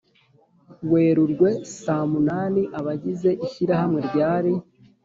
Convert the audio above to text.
werurwe saa munani, abagize ishyirahamwe ryari